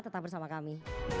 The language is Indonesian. tetap bersama kami